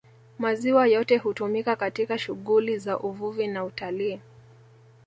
Maziwa yote hutumika katika shughuli za Uvuvi na Utalii